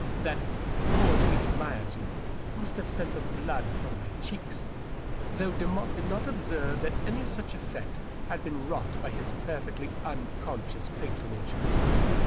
That " cordially admires you" must have sent the blood from my cheeks, though Demotte did not observe that any such effect had been wrought by his perfectly unconscious patronage.